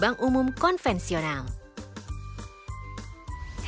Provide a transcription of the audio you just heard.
bank umum syariah atau unit usaha syariah